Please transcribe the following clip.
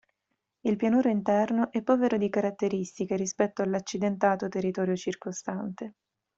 Il pianoro interno è povero di caratteristiche rispetto all'accidentato territorio circostante.